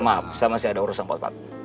maaf saya masih ada urusan pak ustadz